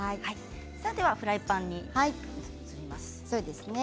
それではフライパンに移ります。